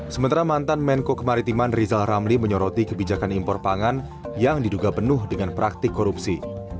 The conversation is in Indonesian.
sementara mantan menko kemaritiman rizal ramli menyoroti kebijakan impor pangan yang diduga penuh dengan praktik korupsi